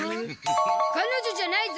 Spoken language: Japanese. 彼女じゃないゾ。